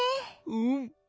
うん。